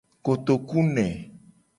Kotokuene.